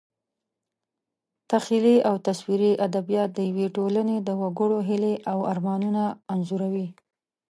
تخیلي او تصویري ادبیات د یوې ټولنې د وګړو هیلې او ارمانونه انځوروي.